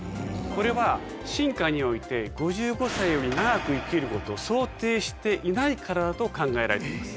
これは進化において５５歳より長く生きることを想定していないからだと考えられています。